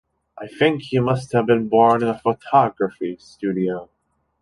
I think you must have been born in a photography studio.